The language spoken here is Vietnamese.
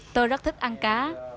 tôi rất thích ăn cá